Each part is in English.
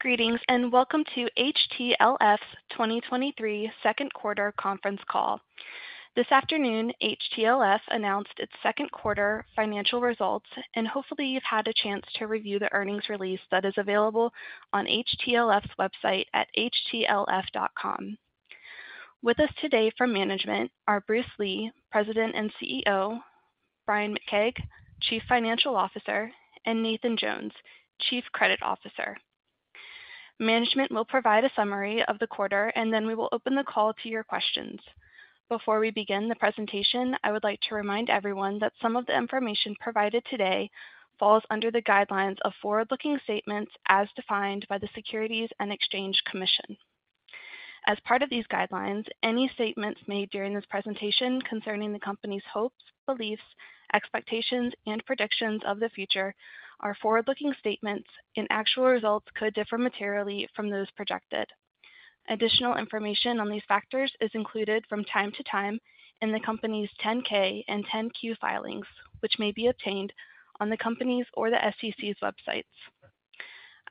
Greetings, welcome to HTLF's 2023 second quarter conference call. This afternoon, HTLF announced its second quarter financial results. Hopefully, you've had a chance to review the earnings release that is available on HTLF's website at htlf.com. With us today from management are Bruce Lee, President and CEO, Bryan McKeag, Chief Financial Officer, and Nathan Jones, Chief Credit Officer. Management will provide a summary of the quarter. Then we will open the call to your questions. Before we begin the presentation, I would like to remind everyone that some of the information provided today falls under the guidelines of forward-looking statements as defined by the Securities and Exchange Commission. As part of these guidelines, any statements made during this presentation concerning the company's hopes, beliefs, expectations, and predictions of the future are forward-looking statements. Actual results could differ materially from those projected. Additional information on these factors is included from time to time in the company's 10-K and 10-Q filings, which may be obtained on the company's or the SEC's websites.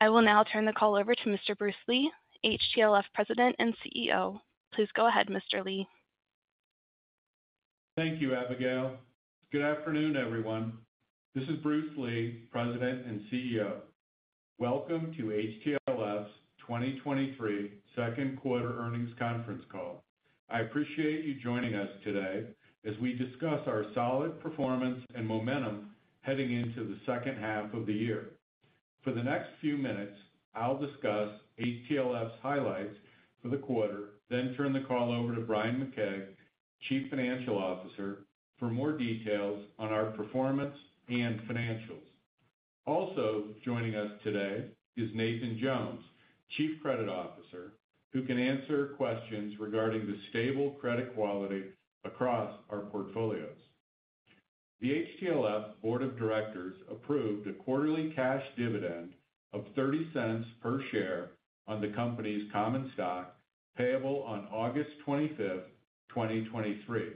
I will now turn the call over to Mr. Bruce Lee, HTLF President and CEO. Please go ahead, Mr. Lee. Thank you, Abigail. Good afternoon, everyone. This is Bruce Lee, President and CEO. Welcome to HTLF's 2023 second quarter earnings conference call. I appreciate you joining us today as we discuss our solid performance and momentum heading into the second half of the year. For the next few minutes, I'll discuss HTLF's highlights for the quarter, then turn the call over Bryan McKeag, Chief Financial Officer, for more details on our performance and financials. Also joining us today is Nathan Jones, Chief Credit Officer, who can answer questions regarding the stable credit quality across our portfolios. The HTLF Board of Directors approved a quarterly cash dividend of $0.30 per share on the company's common stock, payable on August 25th, 2023.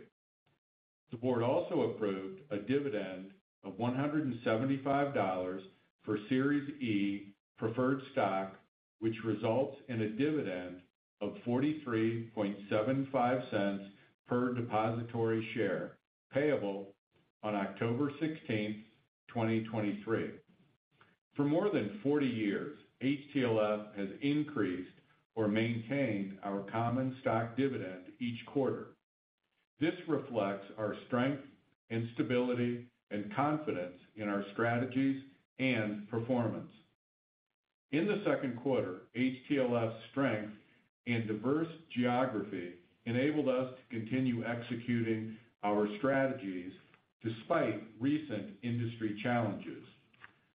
The board also approved a dividend of $175 for Series E Preferred Stock, which results in a dividend of $0.4375 per depository share, payable on October 16th, 2023. For more than 40 years, HTLF has increased or maintained our common stock dividend each quarter. This reflects our strength and stability and confidence in our strategies and performance. In the second quarter, HTLF's strength and diverse geography enabled us to continue executing our strategies despite recent industry challenges.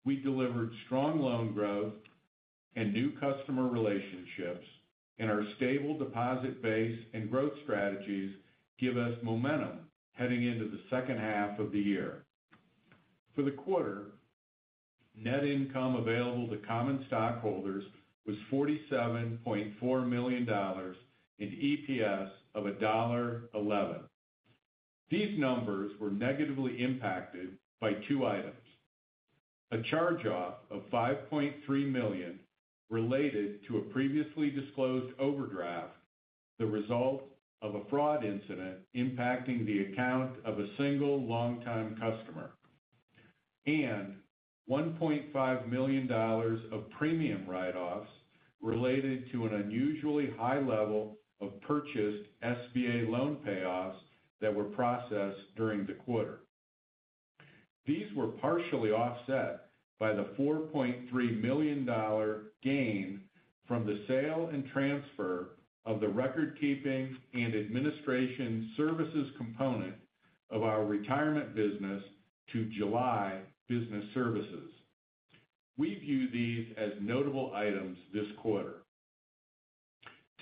We delivered strong loan growth and new customer relationships, and our stable deposit base and growth strategies give us momentum heading into the second half of the year. For the quarter, net income available to common stockholders was $47.4 million and EPS of $1.11. These numbers were negatively impacted by two items: a charge-off of $5.3 million related to a previously disclosed overdraft, the result of a fraud incident impacting the account of a single long-time customer, and $1.5 million of premium write-offs related to an unusually high level of purchased SBA loan payoffs that were processed during the quarter. These were partially offset by the $4.3 million gain from the sale and transfer of the record keeping and administration services component of our retirement business to July Business Services. We view these as notable items this quarter.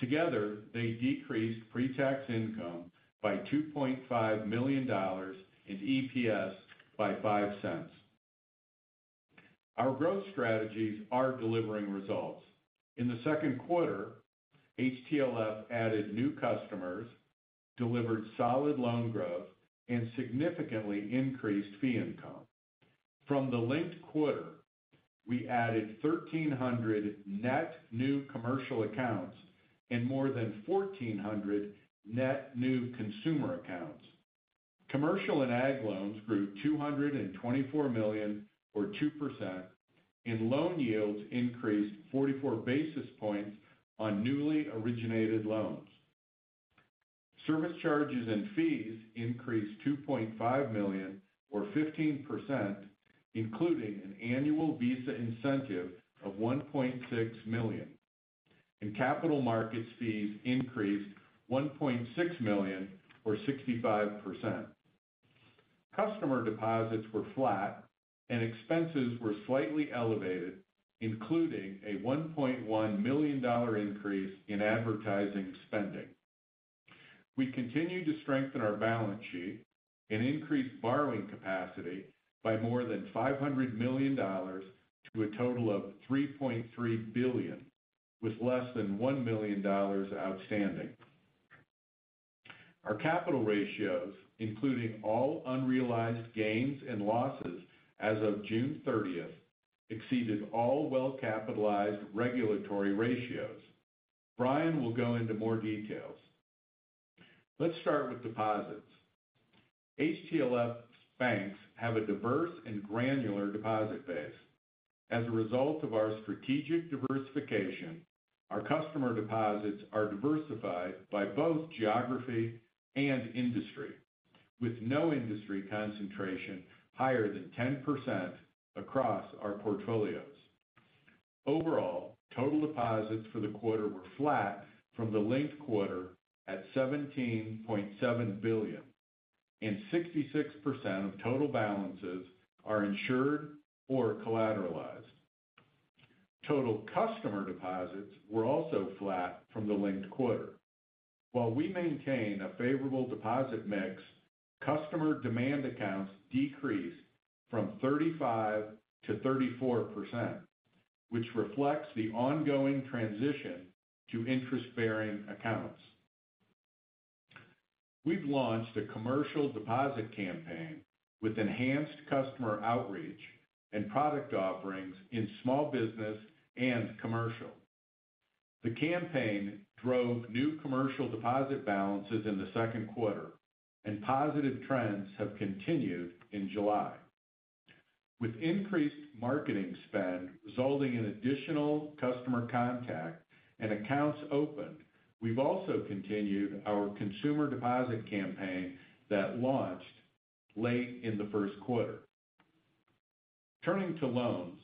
Together, they decreased pre-tax income by $2.5 million and EPS by $0.05. Our growth strategies are delivering results. In the second quarter, HTLF added new customers, delivered solid loan growth, and significantly increased fee income. From the linked quarter, we added 1,300 net new commercial accounts and more than 1,400 net new consumer accounts. Commercial and ag loans grew $224 million, or 2%, and loan yields increased 44 basis points on newly originated loans. Service charges and fees increased $2.5 million, or 15%, including an annual Visa incentive of $1.6 million. Capital markets fees increased $1.6 million, or 65%. Customer deposits were flat, and expenses were slightly elevated, including a $1.1 million increase in advertising spending. We continued to strengthen our balance sheet and increased borrowing capacity by more than $500 million to a total of $3.3 billion, with less than $1 million outstanding. Our capital ratios, including all unrealized gains and losses as of June 30th, exceeded all well-capitalized regulatory ratios. Bryan will go into more details. Let's start with deposits. HTLF banks have a diverse and granular deposit base. As a result of our strategic diversification, our customer deposits are diversified by both geography and industry, with no industry concentration higher than 10% across our portfolios. Overall, total deposits for the quarter were flat from the linked quarter at $17.7 billion, and 66% of total balances are insured or collateralized. Total customer deposits were also flat from the linked quarter. While we maintain a favorable deposit mix, customer demand accounts decreased from 35%-34%, which reflects the ongoing transition to interest-bearing accounts. We've launched a commercial deposit campaign with enhanced customer outreach and product offerings in small business and commercial. The campaign drove new commercial deposit balances in the second quarter, and positive trends have continued in July. With increased marketing spend resulting in additional customer contact and accounts opened, we've also continued our consumer deposit campaign that launched late in the first quarter. Turning to loans.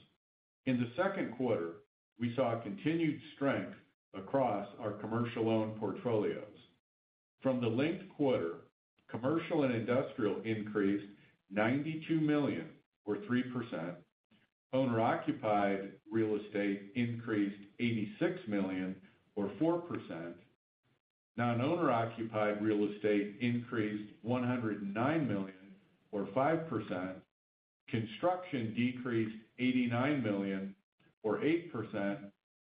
In the second quarter, we saw a continued strength across our commercial loan portfolios. From the linked quarter, Commercial and Industrial increased $92 million, or 3%, owner-occupied real estate increased $86 million or 4%. non-owner-occupied real estate increased $109 million or 5%. construction decreased $89 million or 8%.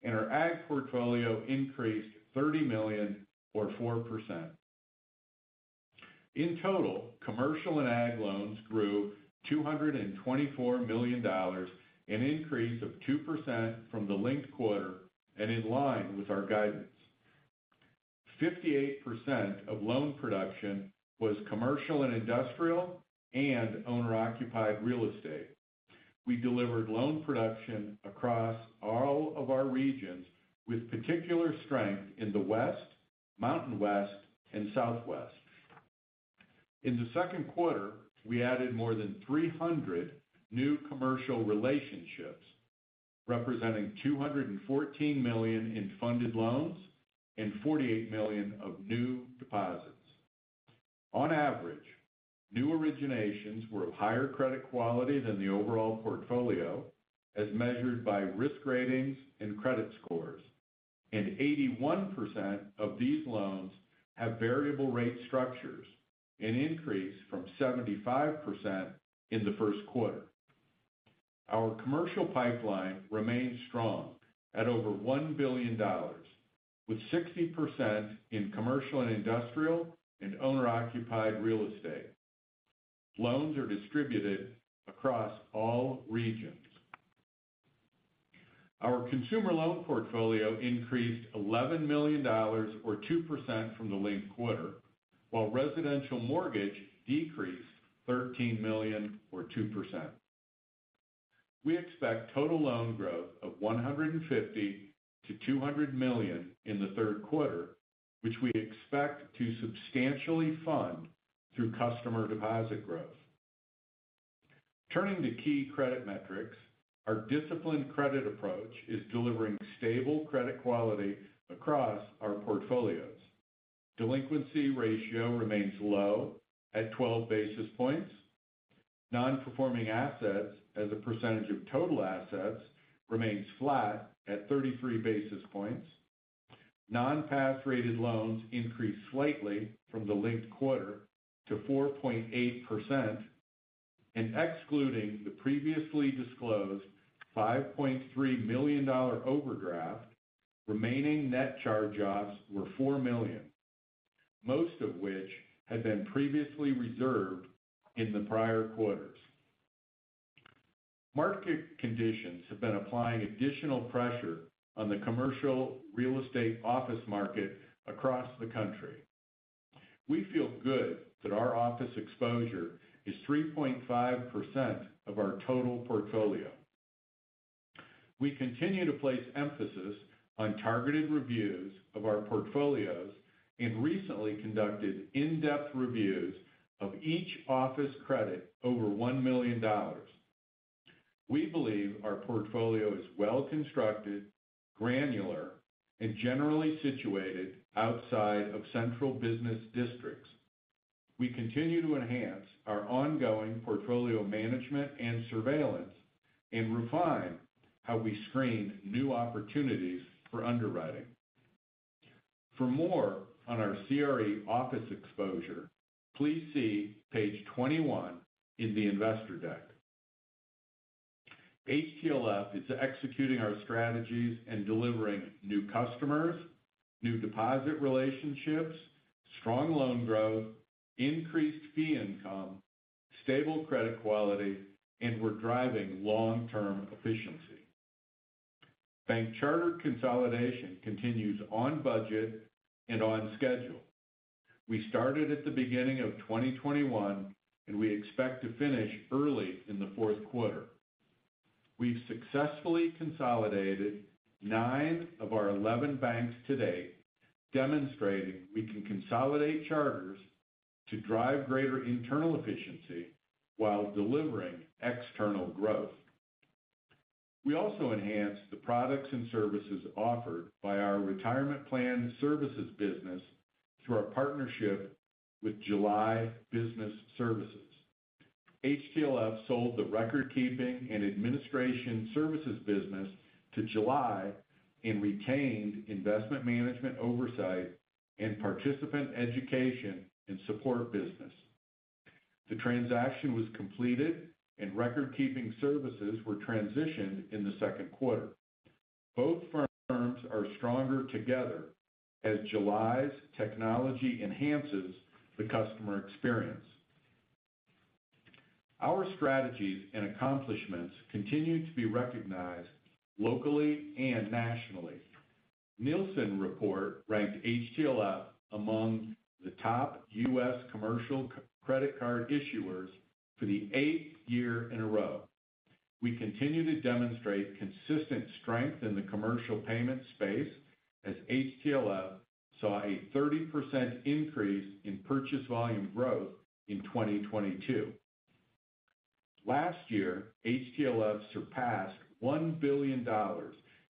Our ag portfolio increased $30 million or 4%. In total, commercial and ag loans grew $224 million, an increase of 2% from the linked quarter and in line with our guidance. 58% of loan production was Commercial and Industrial and owner-occupied real estate. We delivered loan production across all of our regions, with particular strength in the West, Mountain West, and Southwest. In the second quarter, we added more than 300 new commercial relationships, representing $214 million in funded loans and $48 million of new deposits. On average, new originations were of higher credit quality than the overall portfolio, as measured by risk ratings and credit scores. 81% of these loans have variable rate structures, an increase from 75% in the first quarter. Our commercial pipeline remains strong at over $1 billion, with 60% in Commercial and Industrial and owner-occupied real estate. Loans are distributed across all regions. Our consumer loan portfolio increased $11 million or 2% from the linked quarter, while residential mortgage decreased $13 million or 2%. We expect total loan growth of $150 million-$200 million in the third quarter, which we expect to substantially fund through customer deposit growth. Turning to key credit metrics. Our disciplined credit approach is delivering stable credit quality across our portfolios. Delinquency ratio remains low at 12 basis points. Non-performing assets as a percentage of total assets remains flat at 33 basis points. Excluding the previously disclosed $5.3 million overdraft, remaining net charge-offs were $4 million, most of which had been previously reserved in the prior quarters. Market conditions have been applying additional pressure on the commercial real estate office market across the country. We feel good that our office exposure is 3.5% of our total portfolio. We continue to place emphasis on targeted reviews of our portfolios and recently conducted in-depth reviews of each office credit over $1 million. We believe our portfolio is well-constructed, granular, and generally situated outside of central business districts. We continue to enhance our ongoing portfolio management and surveillance and refine how we screen new opportunities for underwriting. For more on our CRE office exposure, please see page 21 in the investor deck. HTLF is executing our strategies and delivering new customers, new deposit relationships, strong loan growth, increased fee income, stable credit quality, and we're driving long-term efficiency. Bank charter consolidation continues on budget and on schedule. We started at the beginning of 2021, and we expect to finish early in the fourth quarter. We've successfully consolidated 9 of our 11 banks to date, demonstrating we can consolidate charters to drive greater internal efficiency while delivering external growth. We also enhanced the products and services offered by our retirement plan services business through our partnership with July Business Services. HTLF sold the record keeping and administration services business to July, and retained investment management oversight and participant education and support business. The transaction was completed, and record-keeping services were transitioned in the second quarter. Both firms are stronger together as July's technology enhances the customer experience. Our strategies and accomplishments continue to be recognized locally and nationally. Nilson Report ranked HTLF among the top U.S. commercial credit card issuers for the eighth year in a row. We continue to demonstrate consistent strength in the commercial payment space, as HTLF saw a 30% increase in purchase volume growth in 2022. Last year, HTLF surpassed $1 billion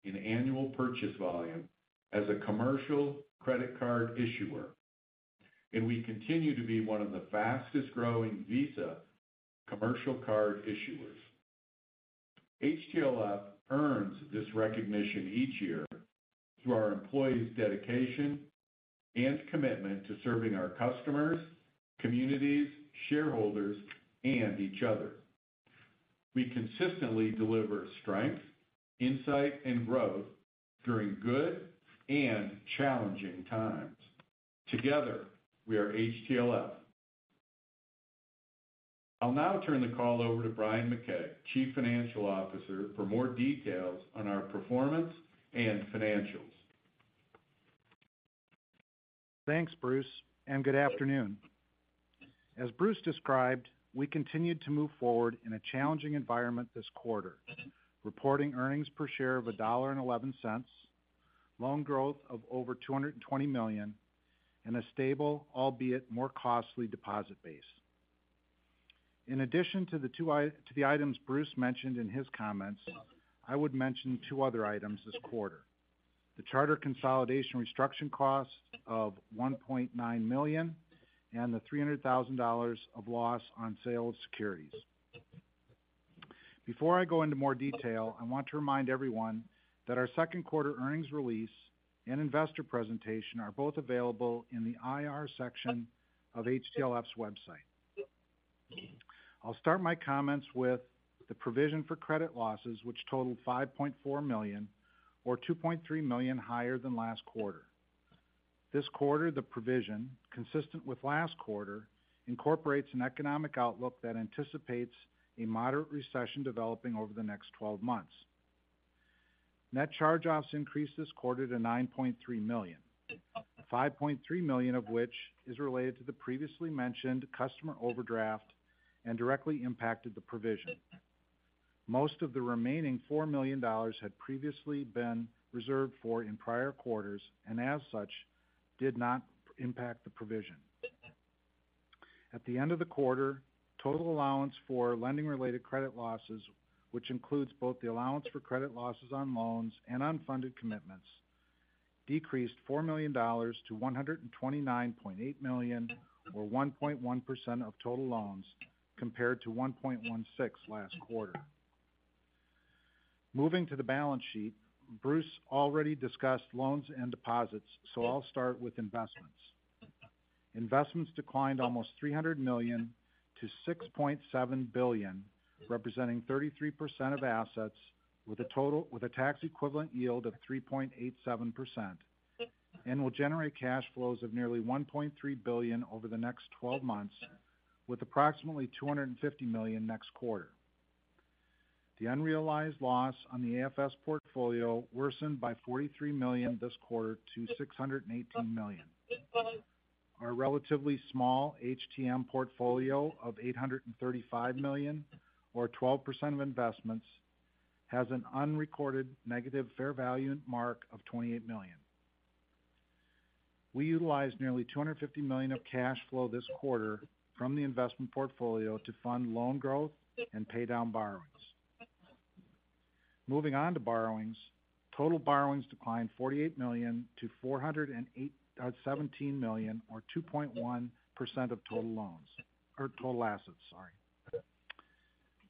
in annual purchase volume as a commercial credit card issuer. We continue to be one of the fastest growing Visa commercial card issuers. HTLF earns this recognition each year through our employees' dedication and commitment to serving our customers, communities, shareholders, and each other. We consistently deliver strength, insight, and growth during good and challenging times. Together, we are HTLF. I'll now turn the call over to Bryan McKeag, Chief Financial Officer, for more details on our performance and financials. Thanks, Bruce. Good afternoon. As Bruce described, we continued to move forward in a challenging environment this quarter, reporting earnings per share of $1.11, loan growth of over $220 million, and a stable, albeit more costly deposit base. In addition to the two items Bruce mentioned in his comments, I would mention two other items this quarter: the charter consolidation restructure cost of $1.9 million, and the $300,000 of loss on sale of securities. Before I go into more detail, I want to remind everyone that our second quarter earnings release and investor presentation are both available in the IR section of HTLF's website. I'll start my comments with the provision for credit losses, which totaled $5.4 million, or $2.3 million higher than last quarter. This quarter, the provision, consistent with last quarter, incorporates an economic outlook that anticipates a moderate recession developing over the next 12 months. Net charge-offs increased this quarter to $9.3 million, $5.3 million of which is related to the previously mentioned customer overdraft and directly impacted the provision. Most of the remaining $4 million had previously been reserved for in prior quarters, and as such, did not impact the provision. At the end of the quarter, total allowance for lending-related credit losses, which includes both the allowance for credit losses on loans and unfunded commitments, decreased $4 million-$129.8 million, or 1.1% of total loans, compared to 1.16% last quarter. Moving to the balance sheet, Bruce already discussed loans and deposits, I'll start with investments. Investments declined almost $300 million to $6.7 billion, representing 33% of assets, with a tax equivalent yield of 3.87%, and will generate cash flows of nearly $1.3 billion over the next 12 months, with approximately $250 million next quarter. The unrealized loss on the AFS portfolio worsened by $43 million this quarter to $618 million. Our relatively small HTM portfolio of $835 million, or 12% of investments, has an unrecorded negative fair value mark of $28 million. We utilized nearly $250 million of cash flow this quarter from the investment portfolio to fund loan growth and pay down borrowings. Moving on to borrowings. Total borrowings declined $48 million-$408.17 million, or 2.1% of total loans, or total assets, sorry.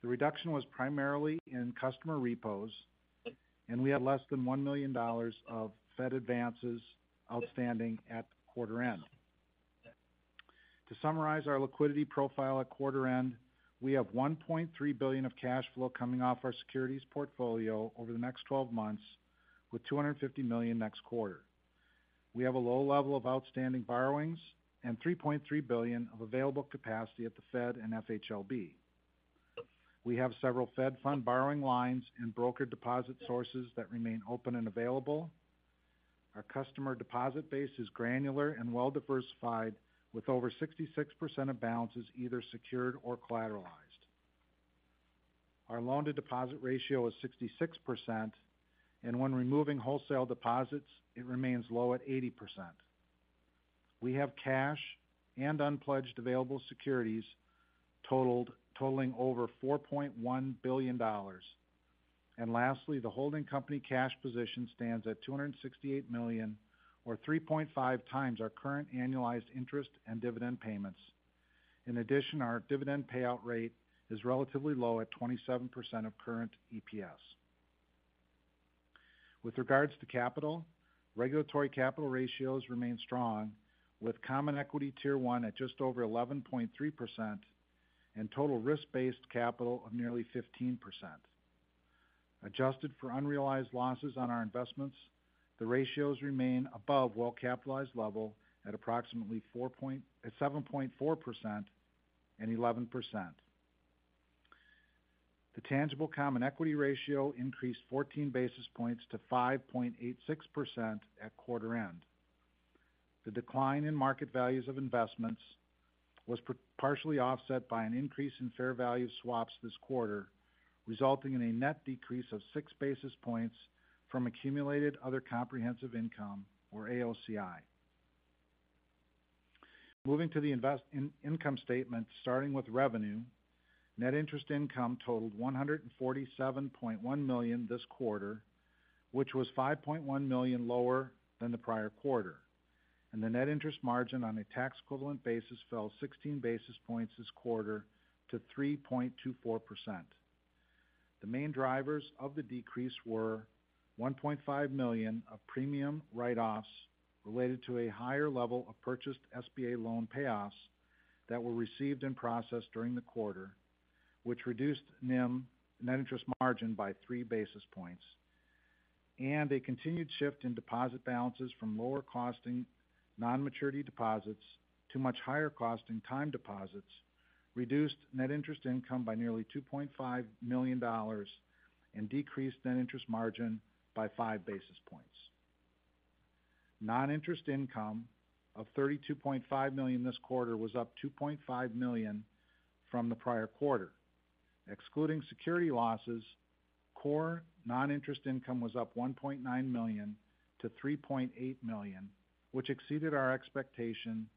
The reduction was primarily in customer repos, and we had less than $1 million of Fed advances outstanding at quarter end. To summarize our liquidity profile at quarter end, we have $1.3 billion of cash flow coming off our securities portfolio over the next 12 months, with $250 million next quarter. We have a low level of outstanding borrowings and $3.3 billion of available capacity at the Fed and FHLB. We have several Fed Fund borrowing lines and broker deposit sources that remain open and available. Our customer deposit base is granular and well diversified, with over 66% of balances either secured or collateralized. Our loan-to-deposit ratio is 66%, and when removing wholesale deposits, it remains low at 80%. We have cash and unpledged available securities totaling over $4.1 billion. Lastly, the holding company cash position stands at $268 million, or 3.5 times our current annualized interest and dividend payments. In addition, our dividend payout rate is relatively low at 27% of current EPS. With regards to capital, regulatory capital ratios remain strong, with Common Equity Tier 1 at just over 11.3% and total risk-based capital of nearly 15%. Adjusted for unrealized losses on our investments, the ratios remain above well-capitalized level at approximately 7.4% and 11%. The tangible common equity ratio increased 14 basis points to 5.86% at quarter end. The decline in market values of investments was partially offset by an increase in fair value swaps this quarter, resulting in a net decrease of 6 basis points from accumulated other comprehensive income, or AOCI. Moving to the income statement, starting with revenue. Net interest income totaled $147.1 million this quarter, which was $5.1 million lower than the prior quarter. The net interest margin on a tax equivalent basis fell 16 basis points this quarter to 3.24%. The main drivers of the decrease were $1.5 million of premium write-offs related to a higher level of purchased SBA loan payoffs that were received and processed during the quarter, which reduced NIM, net interest margin, by 3 basis points. A continued shift in deposit balances from lower-costing non-maturity deposits to much higher costing time deposits, reduced net interest income by nearly $2.5 million and decreased net interest margin by 5 basis points. Non-interest income of $32.5 million this quarter was up $2.5 million from the prior quarter. Excluding security losses, core non-interest income was up $1.9 million-$3.8 million, which exceeded our expectation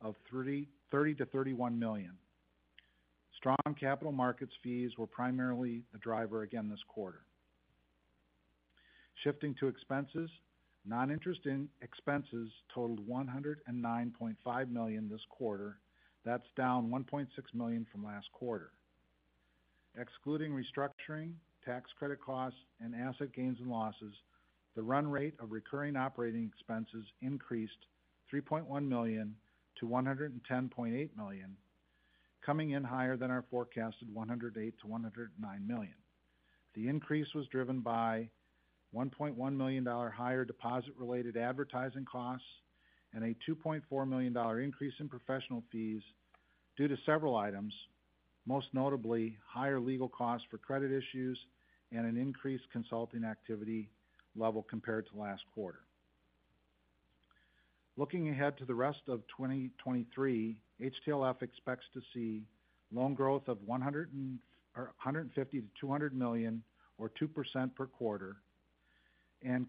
of $30 million-$31 million. Strong capital markets fees were primarily a driver again this quarter. Shifting to expenses. Non-interest expenses totaled $109.5 million this quarter. That's down $1.6 million from last quarter. Excluding restructuring, tax credit costs, and asset gains and losses, the run rate of recurring operating expenses increased $3.1 million-$110.8 million, coming in higher than our forecasted $108 million-$109 million. The increase was driven by $1.1 million higher deposit-related advertising costs and a $2.4 million increase in professional fees due to several items, most notably higher legal costs for credit issues and an increased consulting activity level compared to last quarter. Looking ahead to the rest of 2023, HTLF expects to see loan growth of $150 million-$200 million, or 2% per quarter, and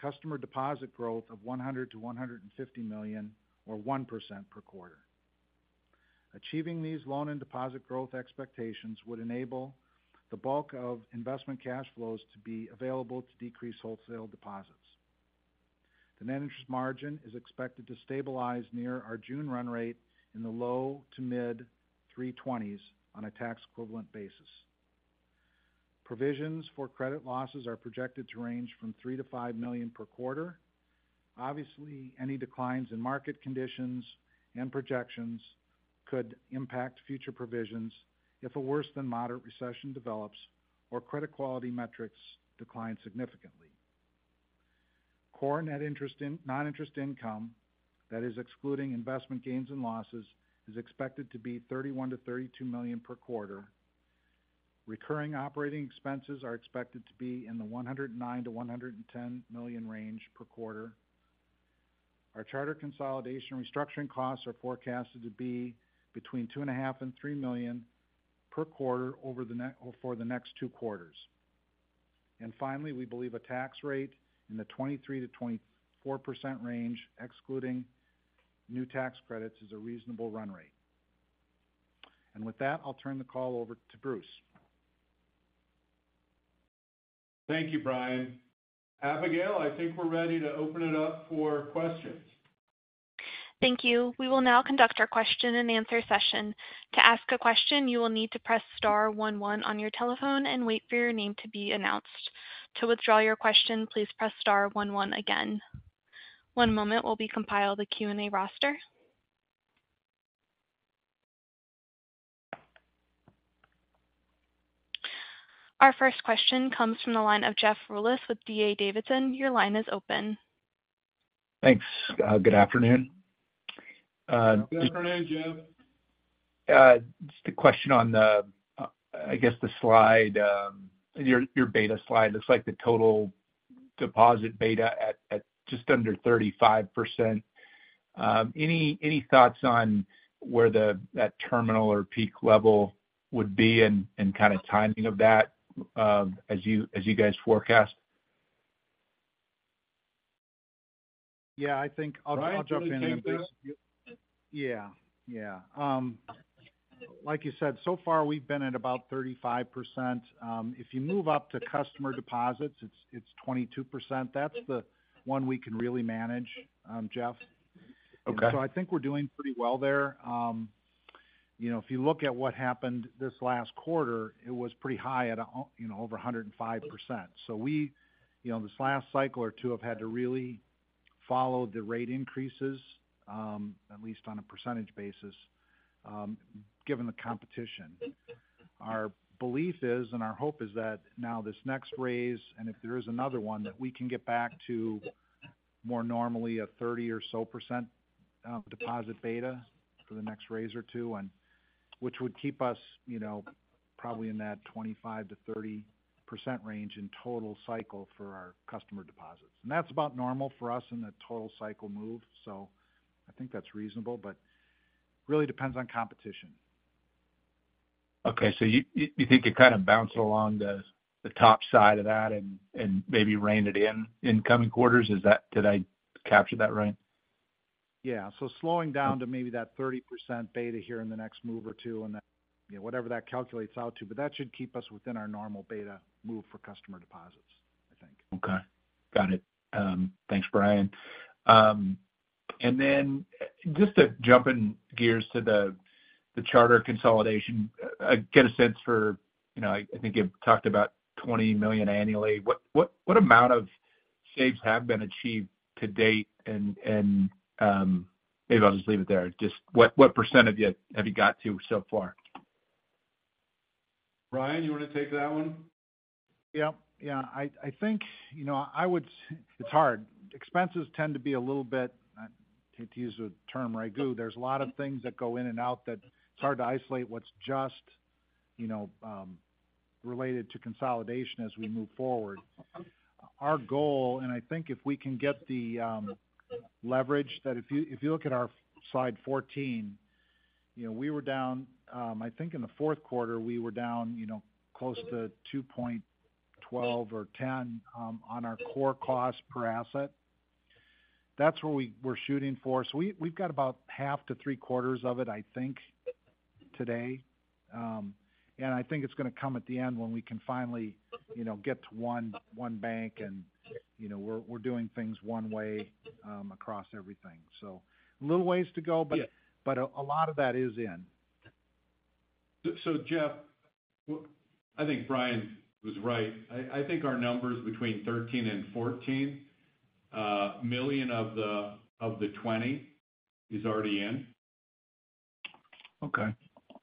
customer deposit growth of $100 million-$150 million, or 1% per quarter. Achieving these loan and deposit growth expectations would enable the bulk of investment cash flows to be available to decrease wholesale deposits. The net interest margin is expected to stabilize near our June run rate in the low to mid 3.20s on a tax equivalent basis. Provisions for credit losses are projected to range from $3 million-$5 million per quarter. Obviously, any declines in market conditions and projections could impact future provisions if a worse than moderate recession develops or credit quality metrics decline significantly. Core net non-interest income, that is excluding investment gains and losses, is expected to be $31 million-$32 million per quarter. Recurring operating expenses are expected to be in the $109 million-$110 million range per quarter. Our charter consolidation restructuring costs are forecasted to be between $2.5 million and $3 million per quarter for the next two quarters. Finally, we believe a tax rate in the 23%-24% range, excluding new tax credits, is a reasonable run rate. With that, I'll turn the call over to Bruce. Thank you, Bryan. Abigail, I think we're ready to open it up for questions. Thank you. We will now conduct our question and answer session. To ask a question, you will need to press star one one on your telephone and wait for your name to be announced. To withdraw your question, please press star one one again. One moment, we'll be compiling the Q&A roster. Our first question comes from the line of Jeff Rulis with D.A. Davidson. Your line is open. Thanks. good afternoon. Good afternoon, Jeff. Just a question on the, I guess, the slide, your beta slide. Looks like the total deposit beta at just under 35%. Any, any thoughts on where the, that terminal or peak level would be, and kind of timing of that, as you, as you guys forecast? Yeah, I think I'll jump in. Bryan, do you want to take that? Yeah. Yeah. like you said, so far, we've been at about 35%. if you move up to customer deposits, it's, it's 22%. That's the one we can really manage, Jeff. Okay. I think we're doing pretty well there. You know, if you look at what happened this last quarter, it was pretty high at, you know, over 105%. We, you know, this last cycle or two, have had to really follow the rate increases, at least on a percentage basis, given the competition. Our belief is, and our hope is that now this next raise, and if there is another one, that we can get back to more normally a 30% or so deposit beta for the next raise or two, and which would keep us, you know, probably in that 25%-30% range in total cycle for our customer deposits. That's about normal for us in the total cycle move, so I think that's reasonable, but really depends on competition. Okay, you think you're kind of bouncing along the top side of that and, and maybe rein it in coming quarters? Did I capture that right? Yeah. slowing down to maybe that 30% beta here in the next move or two, and then, you know, whatever that calculates out to. But that should keep us within our normal beta move for customer deposits, I think. Okay, got it. Thanks, Bryan. Just to jumping gears to the charter consolidation. Get a sense for, you know, I think you've talked about $20 million annually. What amount of saves have been achieved to date? Maybe I'll just leave it there. Just what percent have you, have you got to so far? Bryan, you want to take that one? Yeah, I think, you know, it's hard. Expenses tend to be a little bit to use the term ragu, there's a lot of things that go in and out that it's hard to isolate what's just, you know, related to consolidation as we move forward. Our goal, and I think if we can get the leverage, that if you, if you look at our slide 14, you know, we were down, I think in the fourth quarter, we were down, you know, close to 2.12 or 2.10 on our core cost per asset. That's where we're shooting for. So we, we've got about 0.5-0.75 of it, I think, today. I think it's going to come at the end when we can finally, you know, get to one, one bank and, you know, we're, we're doing things one way across everything. A little ways to go, but a lot of that is in. Jeff, I think Bryan was right. I think our numbers between $13 million and $14 million of the $20 million is already in. Okay,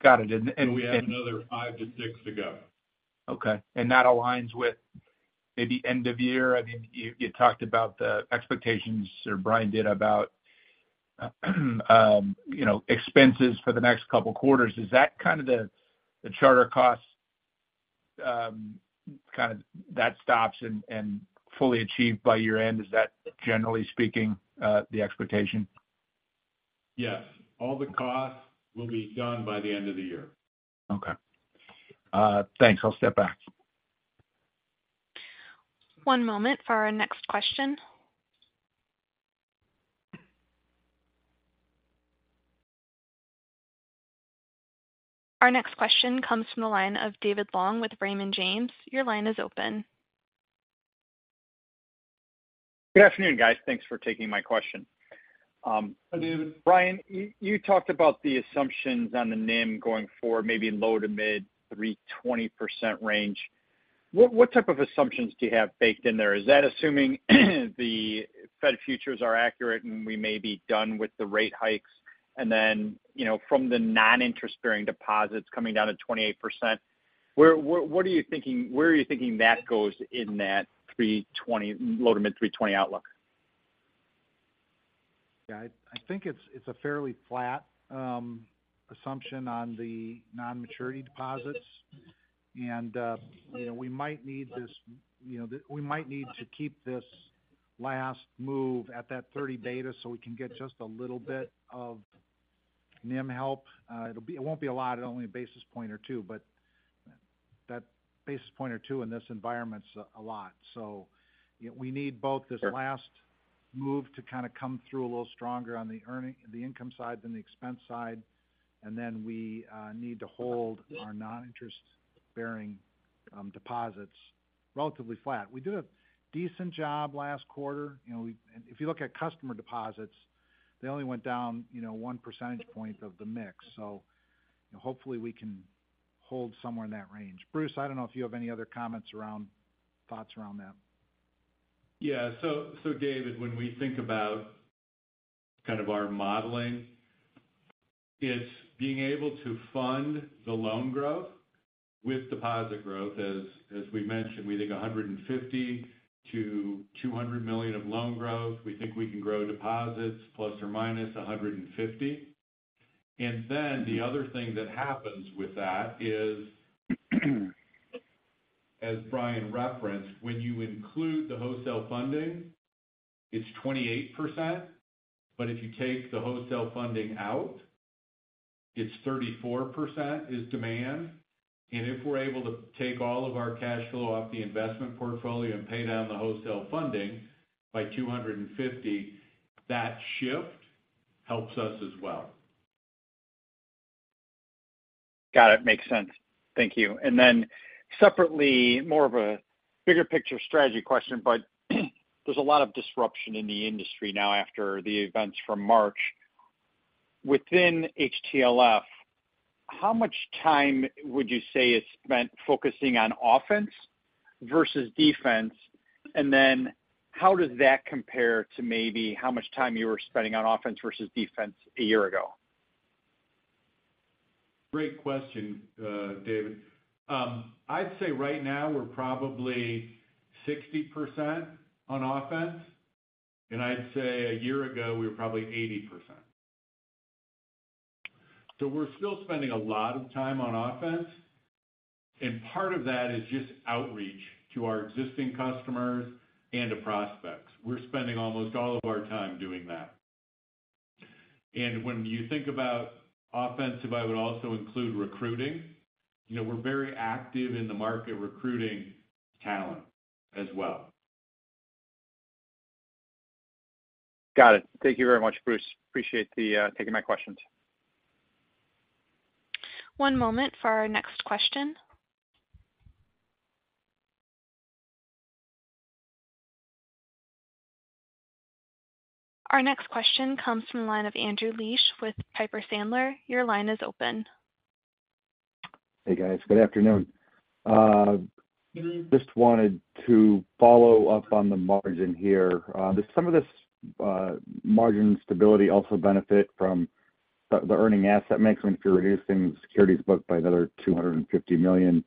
got it. We have another $5 million-$6 million to go. Okay. That aligns with maybe end of year? I mean, you, you talked about the expectations, or Bryan did, about, you know, expenses for the next couple of quarters. Is that kind of the charter cost, kind of that stops and fully achieved by year-end? Is that, generally speaking, the expectation? Yes. All the costs will be done by the end of the year. Okay. Thanks. I'll step back. One moment for our next question. Our next question comes from the line of David Long with Raymond James. Your line is open. Good afternoon, guys. Thanks for taking my question. Hello, David. Bryan, you, you talked about the assumptions on the NIM going forward, maybe low to mid 3.20% range. What, what type of assumptions do you have baked in there? Is that assuming, the Fed futures are accurate, we may be done with the rate hikes? Then, you know, from the non-interest bearing deposits coming down to 28%, where, what, what are you thinking-- where are you thinking that goes in that 3.20%, low to mid-3.20% outlook? Yeah, I think it's a fairly flat assumption on the non-maturity deposits. You know, we might need this, you know, we might need to keep this last move at that 30 beta, so we can get just a little bit of NIM help. It won't be a lot, only a basis point or two, but that basis point or two in this environment's a, a lot. You know, we need both- Sure this last move to kind of come through a little stronger on the earning, the income side than the expense side. Then we need to hold our non-interest bearing deposits relatively flat. We did a decent job last quarter. You know, we-- if you look at customer deposits, they only went down, you know, 1 percentage point of the mix. Hopefully we can hold somewhere in that range. Bruce, I don't know if you have any other comments around, thoughts around that. Yeah. David, when we think about kind of our modeling, it's being able to fund the loan growth with deposit growth. As we mentioned, we think $150 million-$200 million of loan growth. We think we can grow deposits ±$150 million. The other thing that happens with that is, as Bryan referenced, when you include the wholesale funding, it's 28%, but if you take the wholesale funding out, it's 34% is demand. If we're able to take all of our cash flow off the investment portfolio and pay down the wholesale funding by $250 million, that shift helps us as well. Got it. Makes sense. Thank you. Separately, more of a bigger picture strategy question, but there's a lot of disruption in the industry now after the events from March. Within HTLF, how much time would you say is spent focusing on offense versus defense? How does that compare to maybe how much time you were spending on offense versus defense a year ago? Great question, David. I'd say right now we're probably 60% on offense, and I'd say a year ago we were probably 80%. We're still spending a lot of time on offense, and part of that is just outreach to our existing customers and to prospects. We're spending almost all of our time doing that. When you think about offensive, I would also include recruiting. You know, we're very active in the market recruiting talent as well. Got it. Thank you very much, Bruce. Appreciate taking my questions. One moment for our next question. Our next question comes from the line of Andrew Liesch with Piper Sandler. Your line is open. Hey, guys. Good afternoon. Just wanted to follow up on the margin here. Does some of this margin stability also benefit from the, the earning asset mix when if you're reducing the securities book by another $250 million,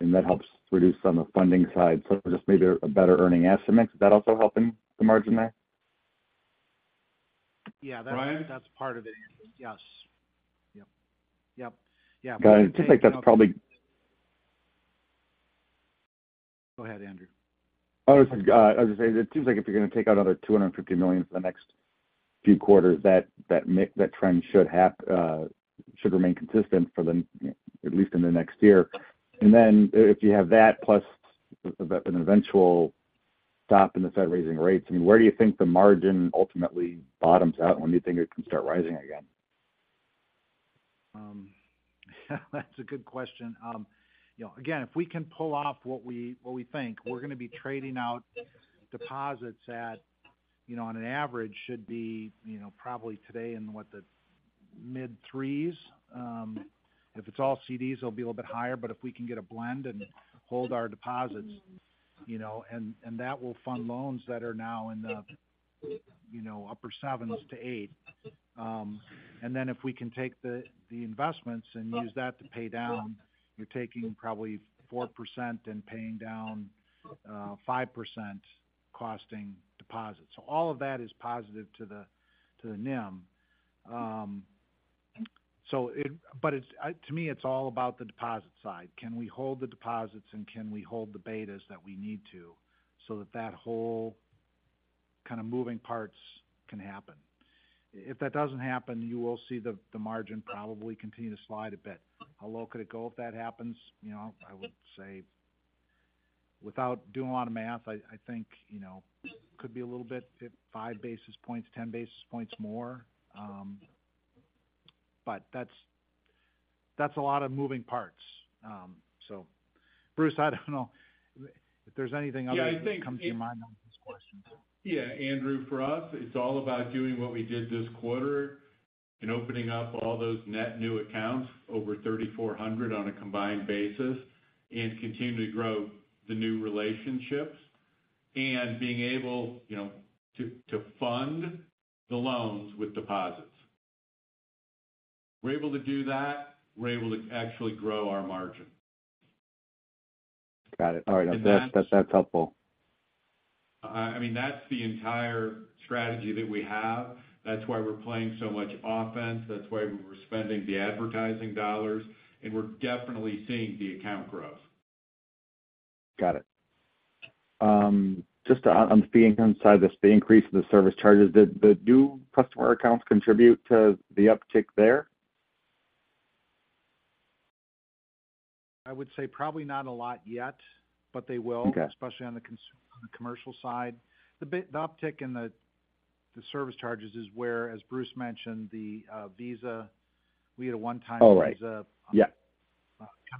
and that helps reduce some of the funding side? Just maybe a, a better earning asset mix, is that also helping the margin there? Yeah. Bryan? That's part of it. Yes. Got it. I think that's probably- Go ahead, Andrew. I was going to say, it seems like if you're going to take out another $250 million for the next few quarters, that, that trend should have, should remain consistent for the, at least in the next year. Then if you have that plus the, an eventual stop in the Fed raising rates, I mean, where do you think the margin ultimately bottoms out, and when do you think it can start rising again? That's a good question. You know, again, if we can pull off what we think, we're going to be trading out deposits at, you know, on an average, should be, you know, probably today in what, the mid 3s. If it's all CDs, it'll be a little bit higher, but if we can get a blend and hold our deposits, you know, and, and that will fund loans that are now in the, you know, upper 7s to 8. And then if we can take the, the investments and use that to pay down, you're taking probably 4% and paying down, 5% costing deposits. All of that is positive to the, to the NIM. It-- but it's, I-- to me, it's all about the deposit side. Can we hold the deposits and can we hold the betas that we need to, so that that whole kind of moving parts can happen? If that doesn't happen, you will see the, the margin probably continue to slide a bit. How low could it go if that happens? You know, I would say without doing a lot of math, I, I think, you know, could be a little bit, 5 basis points, 10 basis points more. But that's, that's a lot of moving parts. Bruce, I don't know if there's anything other that comes to your mind on this question. Yeah, Andrew, for us, it's all about doing what we did this quarter and opening up all those net new accounts, over 3,400 on a combined basis, and continue to grow the new relationships, and being able, you know, to, to fund the loans with deposits. We're able to do that, we're able to actually grow our margin. Got it. All right. And that- That, that's helpful. I mean, that's the entire strategy that we have. That's why we're playing so much offense, that's why we're spending the advertising dollars, and we're definitely seeing the account growth. Got it. just on, being inside this, the increase in the service charges, did the new customer accounts contribute to the uptick there? I would say probably not a lot yet, but they will especially on the cons, on the commercial side. The uptick in the, the service charges is where, as Bruce mentioned, the Visa, we had a one-time Visa kind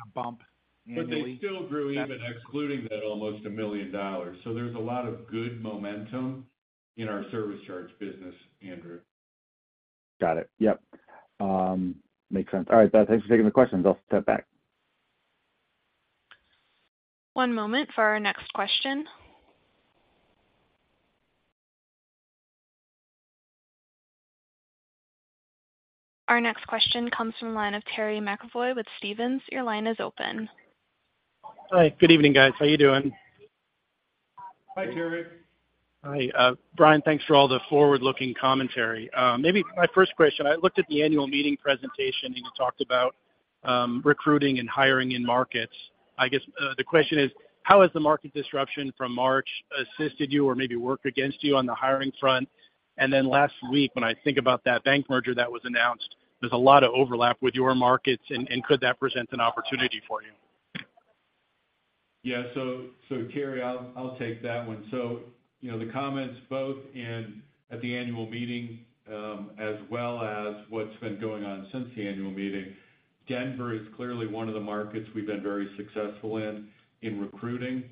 of bump. Yeah. They still grew, even excluding that almost $1 million. There's a lot of good momentum in our service charge business, Andrew. Got it. Yep. Makes sense. All right, thanks for taking the questions. I'll step back. One moment for our next question. Our next question comes from the line of Terry McEvoy with Stephens. Your line is open. Hi. Good evening, guys. How you doing? Hi, Terry. Hi, Bryan, thanks for all the forward-looking commentary. Maybe my first question, I looked at the annual meeting presentation, you talked about recruiting and hiring in markets. I guess, the question is: how has the market disruption from March assisted you or maybe worked against you on the hiring front? Then last week, when I think about that bank merger that was announced, there's a lot of overlap with your markets, could that present an opportunity for you? Yeah, Terry, I'll take that one. You know, the comments both in, at the annual meeting, as well as what's been going on since the annual meeting, Denver is clearly one of the markets we've been very successful in, in recruiting,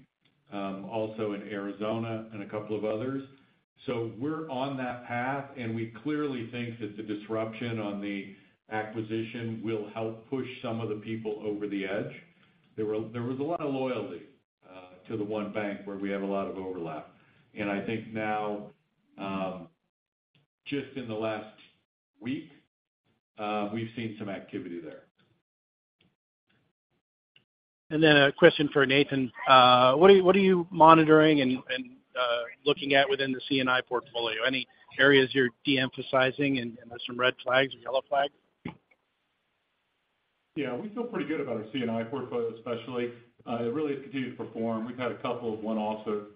also in Arizona and a couple of others. We're on that path, and we clearly think that the disruption on the acquisition will help push some of the people over the edge. There was a lot of loyalty to the one bank where we have a lot of overlap, and I think now, just in the last week, we've seen some activity there. Then a question for Nathan. What are, what are you monitoring and, and, looking at within the C&I portfolio? Any areas you're de-emphasizing and, and there's some red flags or yellow flags? Yeah, we feel pretty good about our C&I portfolio, especially. It really has continued to perform. We've had a couple of one-offs that,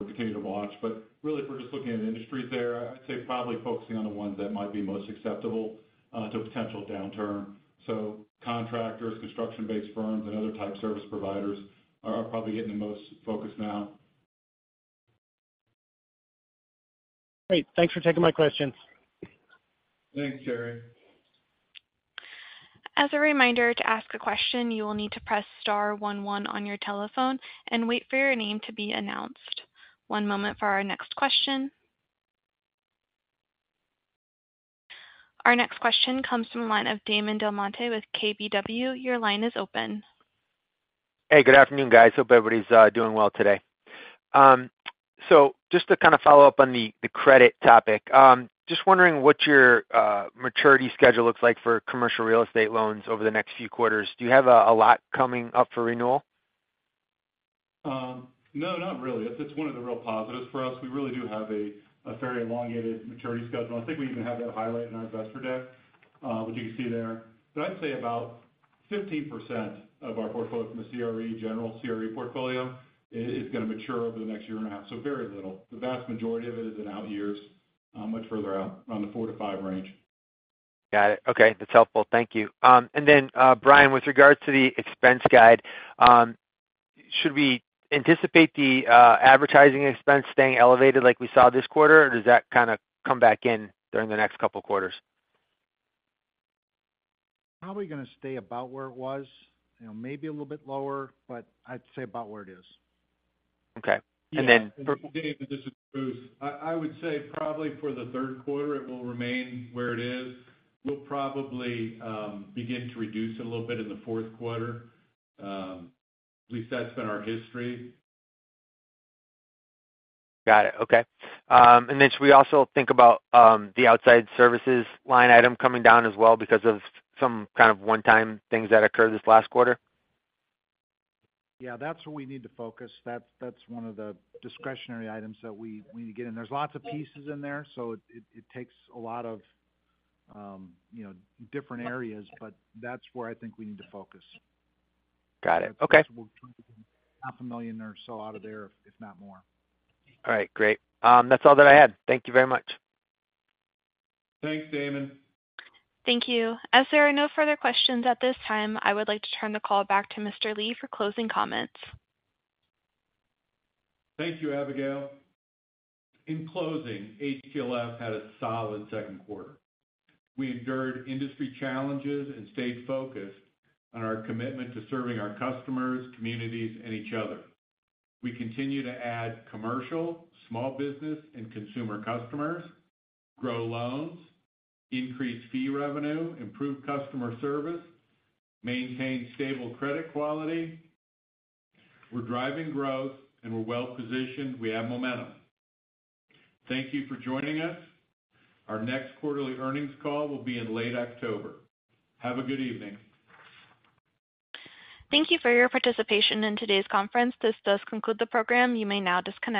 we continue to watch, but really, if we're just looking at industries there, I'd say probably focusing on the ones that might be most acceptable, to a potential downturn. Contractors, construction-based firms, and other type service providers are, are probably getting the most focus now. Great. Thanks for taking my questions. Thanks, Terry. As a reminder, to ask a question, you will need to press star one one on your telephone and wait for your name to be announced. One moment for our next question. Our next question comes from the line of Damon DelMonte with KBW. Your line is open. Hey, good afternoon, guys. Hope everybody's doing well today. Just to kind of follow up on the, the credit topic, just wondering what your maturity schedule looks like for commercial real estate loans over the next few quarters. Do you have a lot coming up for renewal? No, not really. It's one of the real positives for us. We really do have a very elongated maturity schedule. I think we even have that highlight in our investor deck, which you can see there. I'd say about 15% of our portfolio from a CRE, general CRE portfolio, is going to mature over the next year and a half, so very little. The vast majority of it is in out years, much further out, around the four to five range. Got it. Okay, that's helpful. Thank you. Then, Bryan, with regards to the expense guide, should we anticipate the advertising expense staying elevated like we saw this quarter, or does that kind of come back in during the next couple of quarters? Probably going to stay about where it was, you know, maybe a little bit lower, but I'd say about where it is. Okay. Damon, this is Bruce. I, I would say probably for the third quarter, it will remain where it is. We'll probably begin to reduce it a little bit in the fourth quarter. At least that's been our history. Got it. Okay. Then should we also think about the outside services line item coming down as well because of some kind of one-time things that occurred this last quarter? Yeah, that's where we need to focus. That's, that's one of the discretionary items that we, we need to get in. There's lots of pieces in there, so it, it takes a lot of, you know, different areas, but that's where I think we need to focus. Got it. Okay. Possible $500,000 or so out of there, if not more. All right, great. That's all that I had. Thank you very much. Thanks, Damon. Thank you. As there are no further questions at this time, I would like to turn the call back to Mr. Lee for closing comments. Thank you, Abigail. In closing, HTLF had a solid second quarter. We endured industry challenges and stayed focused on our commitment to serving our customers, communities, and each other. We continue to add commercial, small business, and consumer customers, grow loans, increase fee revenue, improve customer service, maintain stable credit quality. We're driving growth, and we're well positioned. We have momentum. Thank you for joining us. Our next quarterly earnings call will be in late October. Have a good evening. Thank you for your participation in today's conference. This does conclude the program. You may now disconnect.